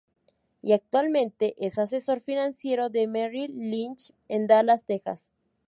Y actualmente es asesor financiero de Merrill Lynch en Dallas, Texas